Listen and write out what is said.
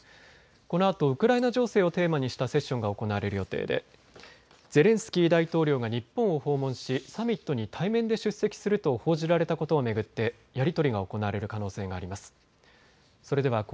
このあとウクライナ情勢をテーマにしたセッションが行われる予定でゼレンスキー大統領が日本を訪問しサミットに対面で出席すると報じられたことを巡ってやり取りが行われる可能性があります。